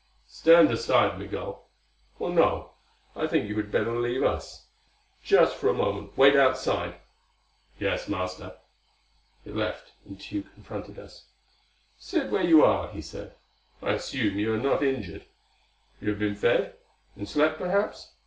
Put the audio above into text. "Stand aside, Migul. Or no, I think you had better leave us. Just for a moment, wait outside." "Yes, Master." It left, and Tugh confronted us. "Sit where you are," he said. "I assume you are not injured. You have been fed? And slept, perhaps!